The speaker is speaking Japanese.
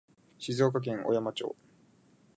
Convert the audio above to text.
静岡県小山町